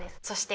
そう？